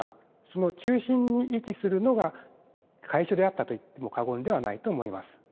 その中心に位置するのが会所であったと言っても過言ではないと思います。